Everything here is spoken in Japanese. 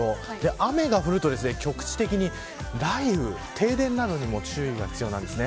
雨が降ると局地的に雷雨停電などにも注意が必要です。